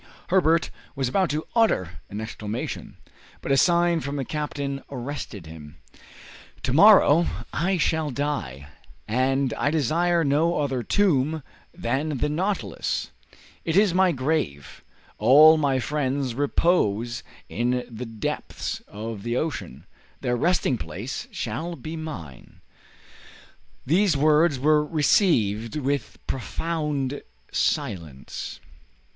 Herbert was about to utter an exclamation, but a sign from the captain arrested him. "To morrow I shall die, and I desire no other tomb than the 'Nautilus.' It is my grave! All my friends repose in the depths of the ocean; their resting place shall be mine." These words were received with profound silence.